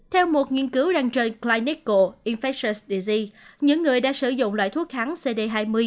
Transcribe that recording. theo một nghiên cứu đăng trên clinical infectious disease những người đã sử dụng loại thuốc kháng cd hai mươi